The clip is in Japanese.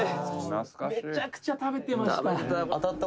「めちゃくちゃ食べてました」